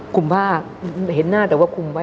คุมผ้าแต่เห็นหน้าไปแต่ว่าคุมไว้